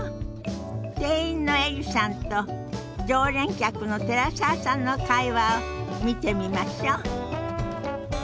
店員のエリさんと常連客の寺澤さんの会話を見てみましょ。